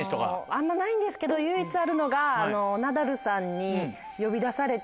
あんまないんですけど唯一あるのがナダルさんに呼び出されて。